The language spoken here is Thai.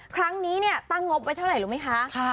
ครั้งนี้เนี่ยตั้งงบไว้เท่าไหร่รู้ไหมคะ